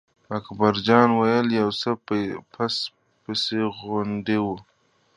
اکبر جان وویل: یو څه پس پسي غوندې و.